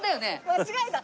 間違えた！